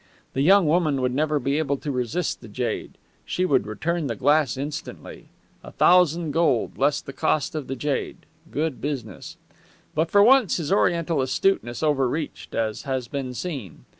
The young woman would never be able to resist the jade. She would return the glass instantly. A thousand gold, less the cost of the jade! Good business! But for once his Oriental astuteness overreached, as has been seen.